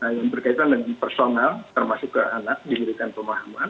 nah yang berkaitan dengan personal termasuk ke anak diberikan pemahaman